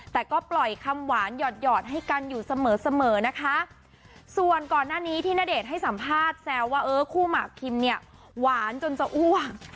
แต่ก็ปล่อยคำหวานหยอดหอดให้กันอยู่เสมอเสมอนะคะส่วนก่อนหน้านี้ที่ณเดชน์ให้สัมภาษณ์แซวว่าเออคู่หมากคิมเนี่ยหวานจนจะอ้วก